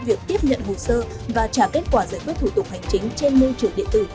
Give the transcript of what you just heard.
việc tiếp nhận hồ sơ và trả kết quả giải quyết thủ tục hành chính trên môi trường điện tử